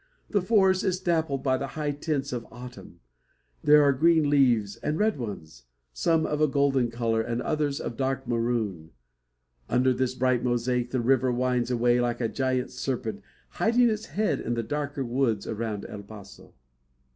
The forest is dappled by the high tints of autumn. There are green leaves and red ones; some of a golden colour and others of dark maroon. Under this bright mosaic the river winds away like a giant serpent, hiding its head in the darker woods around El Paso.